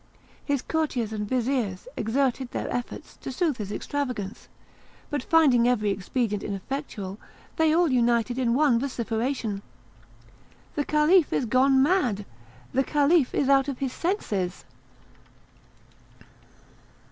His courtiers and vizirs exerted their efforts to soothe his extravagance, but finding every expedient ineffectual, they all united in one vociferation: "The Caliph is gone mad! the Caliph is out of his senses!"